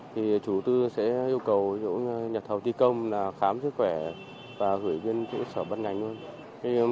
thì chủ tư sẽ yêu cầu những nhà thầu thi công là khám sức khỏe và gửi đến chủ sở bắt ngành luôn